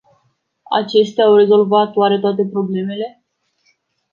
Acestea au rezolvat oare toate problemele?